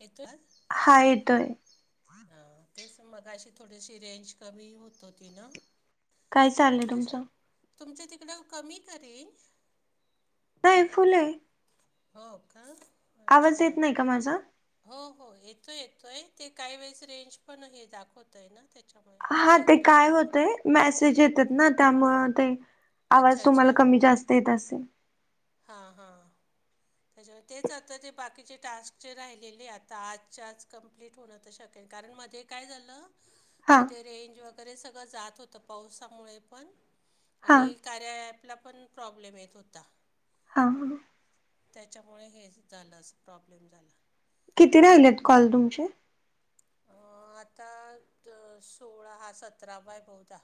येतोय हा येतोय हा तेच मगाशी थोडीशी रेंज कमी होत होती ना? काय ते चाललंय कस. तुमचं तुमच तिकडं कमी का रेंज? नाही फुल हाय. हो, का आवाज अच्छा येत नाही का माझा हो हो येतो येतोय ते काही वेळेस रेंज पण हे दाखवत. होतय आहे ना, त्याच्यामुळे पाहुत हा ते इकडं काय कमी होतय होतं. मेसेज येतात ना, त्यामुळं ते अच्छा आवाज तुम्हाला कमी जास्त येत असेल. हा हा. [unintelligible] त्याच्यामुळे तेच आता ते बाकीचे टास्कचे राहिलेले आता आजच्या आज कंम्प क्प्लीट होण तर शकेल कारण माझे काय झालं. म हा ते रेंज वगैरे सगळं जात होतं पावसामुळे पण. हा आणि कार्या ॲपला पण प्रॉब्लेम येत होता. हा ह [unintelligible] त्याच्यामुळे हेच झालं असं प्रॉब्लेम झाला. किती राहिलेत कॉल तुमचे? अ आता ट सोळा हा सतरा बाय बोहुता.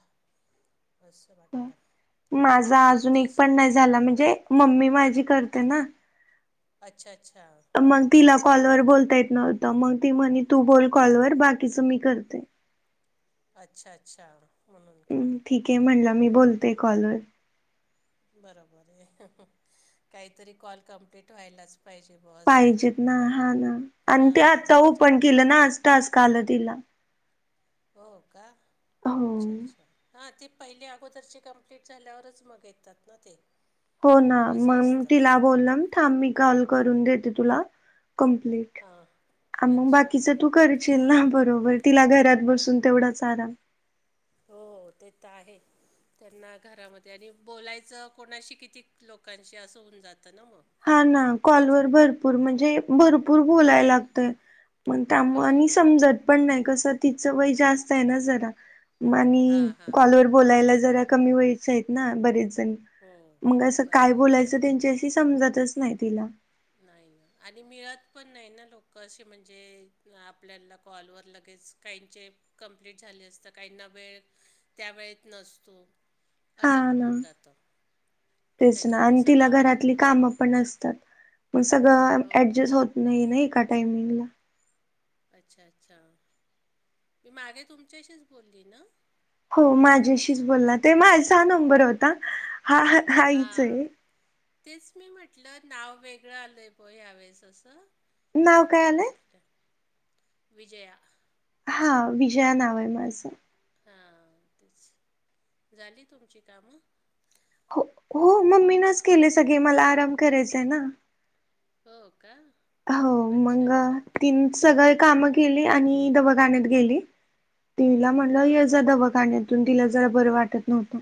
हम्म माझा अजून एक तीस पण नाही झाला म्हणजे मम्मी माझी करते ना. अच्छा अच्छा. मंग हो तिला का कॉलवरर बोलता येत नव्हतं मंग ती म्हणे तू बोल कॉलवर बाकीचं मी करते. अच्छा अच्छा. म्हणून का हम्म ठीक हे म्हणलं मी हं, बोलतोय कॉलवर. बरोबर हे काहीतरी कॉल कमप्लीट व्हायलाच. पाहिजे बुआ. पाहिजेत ना हा ना, आण ते आता त्याच्या ओपन केलं ना, आज तास कालं तिला. हो का हो अच्छा अच्छा हा ते. पहिली अगोदरची कंप्लीट झाल्यावरच मग येतात ना ते. हो ना असं मंग असतं तिला बोलंम थांब मी कॉल करून देते तुला कंप्लीट. हां आ म अच्छा बाकीच हो तू करशील ना, बरोबर तिला घरात बसून तेवढाच आराम. हो ते त आहे. त्यांना घरामध्ये आणि बोलायचं कोणाशी कितीक लोकांशी असं होऊन जातं ना म. हा ना कॉलवर भरपूर म्हणजे भरपूर बोलाय लागतय. मंग हो त्यामुळ आणि समजत पण नाही कसं तिचं वय जास्त आहे ना जरा. म आणि हां हां कॉलवर बोलायला जरा कमी वयच आहेत ना, बरेच जण. हो मंग असं काय बरोबर बोलायचं त्यांच्याशी समजतच नाही तिला. नाही ना, आणि मिळत पण नाही ना, लोक असे म्हणजे आपल्याला कॉलवर लगेच. काहीचे कम्प्लीट झाले असतं काहींना वेळ त्या वेळेत नसतो. हा असं पण ना, होऊन जातं तेच ना, त्याच्यामुळे आणि तिला सगळं घरातली कामं पण असतात. मंग सगळं हो का ऍडजस्ट होत नाही नाही का टायमिंगला. अच्छा अच्छा मी मागे तुमच्याशीच बोलली ना. हो माझ्याशीच बोलला ते माह्यासा नंबर होता हा हे. हा तेच मी म्हटलं नाव वेगळं आलय भो ह्यावेेळेस असं. नाव काय त्याच्या मुळ आलंय म्हटलं विजया. हा विजया नाव आहे माझं. हां तेच झाली तुमची कामं? हो हो मम्मी नाच केले सगळे मला आराम करायचाय ना. हो का. हो अच्छा मंग अच्छा तीन सगळे काम केली आणि दवाखाण्यात गेली तिला म्हणल हां हां येजा दवाक खाण्यातूनत जरा बर वाटत नव्हत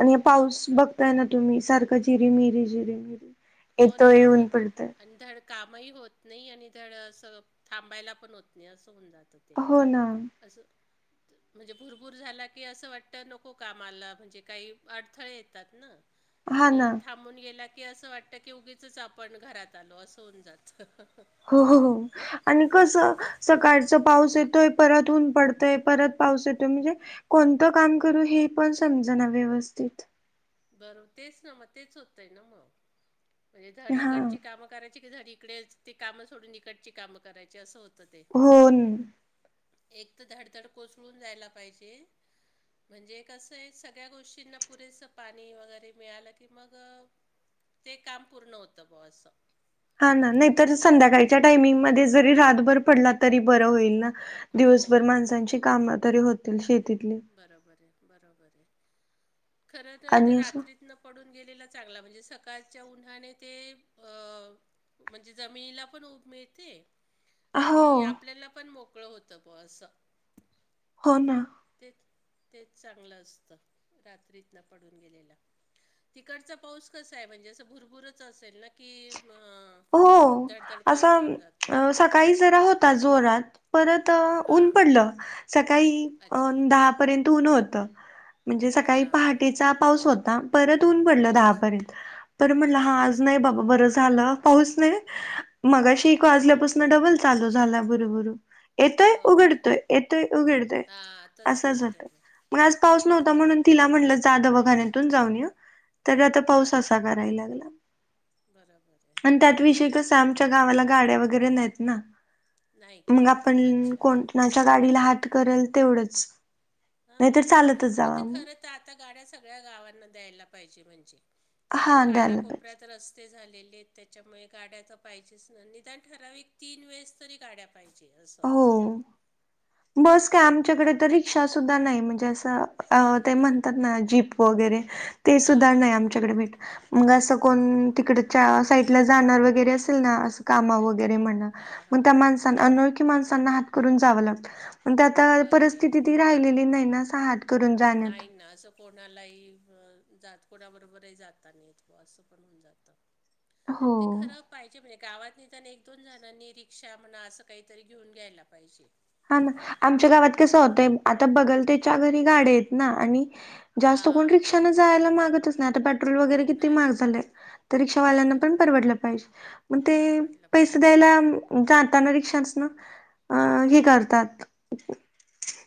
आणी हे हो पाऊस का बघताय ना तुम्ही सार का जिरी मरी जिरी मरी हो ना माझ आणी धड कामही होत नाही आणि धड असं थांबायला पण होत नाही असं हुन जातं. ते हो ना. असं. म्हणजे भुरभूर झाला की असं वाटत. नको कामाला म्हणजे काही अडथळे येतात ना. हा आणि ना थांबून गेला की, असं वाटत की उगीचच आपण घरात आलो असं होऊन जात. [unintelligible] हो हो हो आणि कस सकाळच पाऊस येतोय. परत ऊन पडतोय. परत पाऊस येतोय म्हणजे, कोणतं काम करू हे पण समजना व्यवस्थित बर तेच ना मग तेच होतय ना. मग म्हणजे धड हा इकडची कामं कराय ची. धड इकडेच ते काम सोडून. इकडची काम करायचे असं होत ते हो न. एक तर धडधड कोसळून जायला पाहिजे. म्हणजे एक कसं आहे सगळ्या गोष्टींना पुरेसं पाणी वगैरे मिळालं की. मग ते काम पूर्ण होतं बऊ असं. हा ना. नाही तर संध्याकाळच्या टायमिंग मध्ये जरी रातभर पडला तरी बरं होईल ना. हो दिवसभर माणसांची कामं तरी होतील. शेतीतली बरोबर आहे बरोबर आहे. खरं तर ते आणि असं रात्री न पडून गेलेला चांगला म्हणजे सकाळच्या उन्हाने ते अ म्हणजे जमिनीला पण उब मिळते. हो आणि आपल्याला पण मोकळं होतं ब असं. हो ना. तेच तेच चांगलं असतं रात्रीतन पडून गेलेला. तिकडचा पाऊस कसा आहे. म्हणजे असं भुरभुरच असेल ना की अ म हो. धडधड असं, कोसळून जातो सकाळी जरा होता जोरात परत अ ऊन हां पडलं. सकाळी अ अच्छा दहा पर्यंत ऊन होत. म्हणजे सकाळी हां पहाटेचा पाऊस होता. परत ऊन पडलं अच्छा दहापर्यंत. परत म्हटलं हा अच्छा आज अच्छा नाही बाबा बरं झालं. पाऊस नाही. मगाशी एक वाजल्यापासून डबल चालू झाला भुरभुर. येतोय हो का उघडतोय, येतोय उघडतोय. हां तसंच असाच होतं होतोय. आहे मग आज पाऊस तसंच नव्हता. होतं म्हणून तिला, म्हटलं जा दवाखान्यातुन जाऊन ये. तर आता आहे पाऊस असा हां करायला लागला. बरोबर. आहे आणि त्यात विषय कसा आमच्या गावाला गाड्या वगैरे नाहीत ना. नाही का मग आपण अच्छा कोणाच्या गाडीला हात करेल तेवढंच, हां. नाहीतर चालतच पण जावा ते मग. खरं तर आता गाड्या सगळ्या गावांना द्यायला पाहिजे. म्हणजे कारण हा द्यायला पाहिजे कानाकोपऱ्यात रस्त ते झालेले आहेत. त्याच्यामुळे गाड्याच पाहिजेच ना. निदान ठराविक तीन वेळेस तरी गाड्या पाहिजे अस. हो बस काय आमच्याकडे तर रिक्षा सुद्धा नाही. म्हणजे असं ते अरे! म्हणतात ना जीप वगैरे ते हां, सुद्धा नाही. हां, हां. आमच्याकडे भेट मग असं अरे! कोण तिकडे त्या साईडला जाणार वगैरे असेल ना. कामा वगैरे म्हना हां, हां, त्या हां. माणसाला अनोळ खी माणसाना हात करून जाव लागत. पण ते आता अरे! परिथिती ती राहिलेली नाही. करून जाण्यात नाही ना असं. कोणालाही ह जात. कोणाबरोबरही जाता नाहीेत बुवा असं पण होऊन जातं. ते हो खरा पाहिजे म्हणजे गावात निदान एक दोन जणांनी रिक्षा म्हणा. असं काहीतरी घेऊन घ्यायला पाहिजे. हा ना. आमच्या गावात कस होतंय. आता बघल त्याच्या घरी गाड्या आहेत ना. आणि जास्त कोण हां. रिक्षा न जायला मागतच आता पेट्रोल वगैरे किती महाग नाही. झालेय. तर रिक्षावाल्यांना पण बरोबर आहे. परवडलं पाहिजे. मग ते परवडलं पैसे पाहिजे. द्यायला जातना रिक्षांच ना. [unintelligible] करतात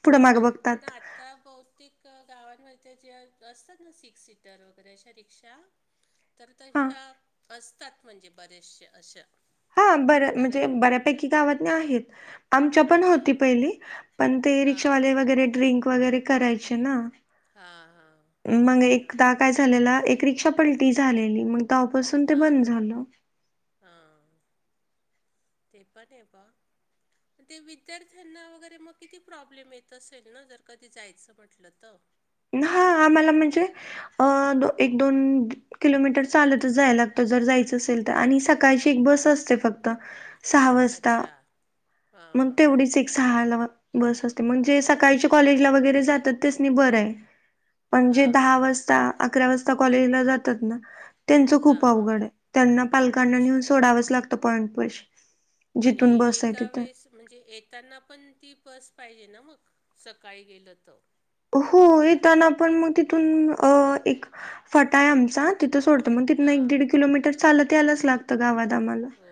पुढे माग बघतात. आ त्या बहुतेक गावांमध्ये जे असतात ना सिक्स सीटर वगैरे अशा रिक्षा [unintelligible] तर तशा असतात म्हणजे बरेचसे अशा हा बर म्हणजे कारण बऱ्यापैकी गावातन आहेत आमच्या पण होती हां. पहिली पण ते हां. रिक्षावाले वगैरे ड्रिंक वगैरे करायचे ना हा हा मग एकदा काय झालेला एक रिक्षा पलटी झालेली मग तेव्हापासून ते हा बंद हा झालं. हा तेपणप ते विद्यार्थ्यांना वगैरे मग किती प्रॉब्लेम येत असेल ना जर कधी जायचं म्हटलं तर हा आम्हाला म्हणजे अ दो एक दोन किलोमीटर चालतच जाय लागतं जर जायचं असेल तर आणि सकाळची एक बस असते फक्त सहा वाजता अच्छा. हां. मग हां. तेवढीच एक सहा लाव बस असते मग जे सकाळच्या कॉलेजला वगैरे जातात तेच नाही बरं आहे म्हणजे हां. दहा हां. वाजता अकरा वाजता कॉलेजला जातात ना त्यांचं खूप हां. हां. अवघड आहे त्यांना पालकांना नेऊन अच्छा. सोडावंच लागतं पॉईंट पैसे आणि जिथून बस आहे एका तिथे वेस म्हणजे येताना पण ती बस पाहिजे ना मग सकाळी गेलं तर हो येताना आपण मग तिथून एक फटा आहे आमचा तिथ सोडतं मग तिथ एक हां दिडकीलोमीटर चालत यालाला गते हो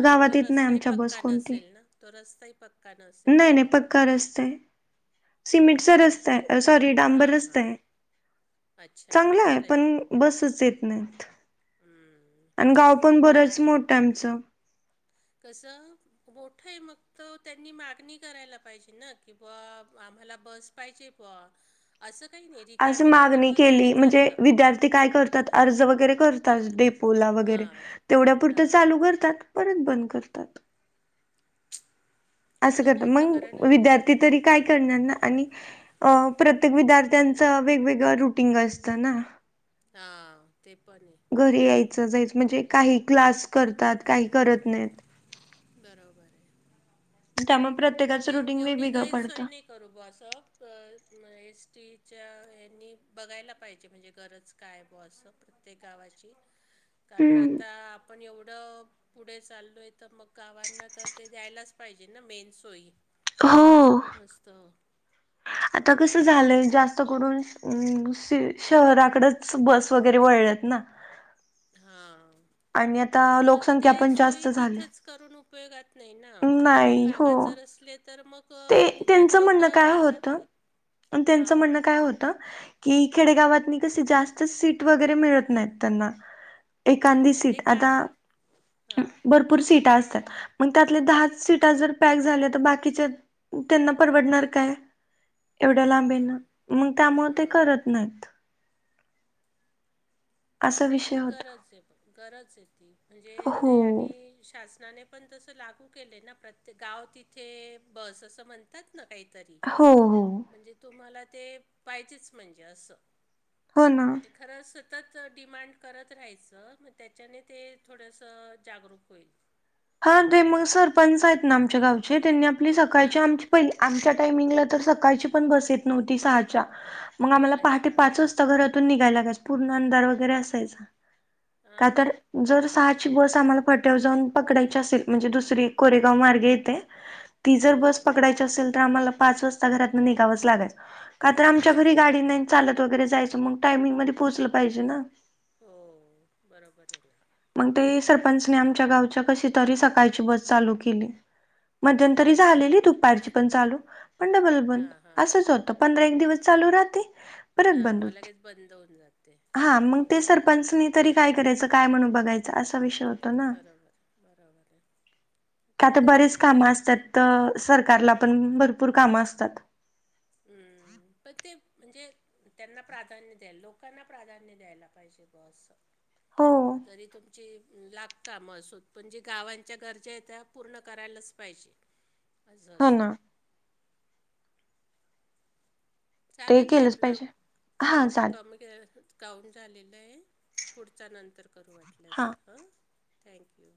आणि तो येत नाही रस्ताही आमच्या बस पक्का कोणती नसेल ना तो रस्ता पक्का काण असल असत सिमिट हो सर का असतय सॉरी डांबर हां हां असतय अच्छा चांगलं मग आहे बरं पण बसच येत नाहीत हं. आणि गाव पण ते बरच आहे मोठं आमचं कसं मोठय मग त त्यांनी मागणी करायला पाहिजे ना कि बा आम्हाला बस पाहिजे प असं काही ने अशी मागणी केली म्हणजे विद्यार्थी काय करतात अर्ज वगैरे करतात डेपोला वगैरे हां तेवढ्या पुुरतं हां चालू करतात परत बंद करतात [unintelligible] असं करत होतं मग कारण विद्यार्थी तरी काय करणार ना आणि अ प्रत्येक विद्यार्थ्यांचं वेगवेगळं रुटीन असतं ना हा ते पणे घरी यायचं जायचं म्हणजे काही क्लास करतात काही करत नाहीत बरोबर आहे त्याम प्रत पण ते एवढी गैरसोय नाही करूब असं एस टीच्या ह बघायला पाहिजे म्हणजे गरज कायबो असं प्रत्येक गावाची [unintelligible] कारण आता आपण एवढं पुढे चाललो आहे तर मग गावांना तर ते दयलाच पाहिजे ना मेन सोयी असं हो पण असतं आता कसं झालंय जास्त करून श शहराकडंच बस वगैरे वळल्यात ना हा आणि आता पण मग ते लोकसंख्या पण जास्त सोयी झाली तिथच करून उपयोगात नाही ना ग्रामीण नाही भागात हो जर अस तर मग ते अ, निदान त्यांचं म्हणणं लोकं काय राहतात होत तरी. त्यांचं हां, म्हणणं काय होत की खेडे गावातनी कस जास्त सीट वगैरे मिळत नाहीत त्यांना. एखांदी ते सीट काय आता हा भरप भरपूर सीटा असतात मग त्यातले दहाच सीटा जर पॅक झाल्या, तर बाकीच्या त्यांना परवडणार काय एवढ्या हम्म लांब येणं हम्म मग त्यामुळ ते हम्म करत नाहीत. पण असा ते विषय होता गरज ये बघ पण गरज आहे ती म्हणजे हो ते आणि शासनाने पण तसं लागू केलय ना प्रत्येक गाव तिथे बस असं म्हण तात ना काहीतरी हो हो म्हणजे तुम्हाला ते पाहिजेच म्हणजे असं. हो ना. ते खरं सतत च डिमांड करत राहायचं मग त्याच्याने ते थोडंसं जागरूक होईल. हा. ते मग सरपंच आहेत ना आमच्या गावचे, त्यांनी आपली सकाळची हां आमची आमच्या टामिंगला तर सकाळची पण बस येत नव्हती सहाच्या मग आम्हाला पहाटे अच्छा पाच घरातून निघायला लागायचं पूर्ण अंधार वगैरे असायचा का हां तर जर सहाची बस आम्हाला फट्यावर जाऊन पकडायची असेल म्हणजे दुसरी कोरेगाव मार्गे येते. ती जर हो बस पकडा ची असेल तर आम्हाला पाच वाजता घरातन निघावंच लागायचं. का तर आमच्या घरी गाडी बरं नाही चालत वगैरे जायचं मग टायमिंगमध्ये पोहचलं पाहिजे ना. हो बरोबर आहे ना. मग ते सरपंचने आमच्या गावच्या कशी तरी सकाळची बस चालू केली. अच्छा मध्यंतरी अच्छा झालेली दुपारची पण चालू पण डबल बन हां हां असंच होतं. पंधरा एक दिवस चालू राहते परत हां बंद मग होते. लगेच बंद होऊन जाते हा मग ते बरोबर आहे सरपंचनी तरी काय करायचं काय म्हणू बघायचं असा विषय हो बरोबर बरोबर आहे. का आता तर आहे बरेच कामं असतात तर सरकारला पण भरपूर कामं असतात. हम्म. प ते म्हणजे त्यांना प्राधान्य द्याला लोकांना प्राधान्य द्यायला पाहिजे बस असं. हो जरी तु ची लाक कामं असोत पण जे गावांच्या गरजा आहेत त्या पूर्ण करायलाच पाहिजे. [inaudible] अज असत. ना चालेल ते केलंच आपलं पाहिजे हा काउंट चालेल कमी काउंट झालेलं आहे. पुढचा नंतर करू वाटलस हा तर हं. थँक्यू.